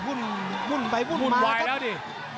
วุ่นไว้แล้วดิ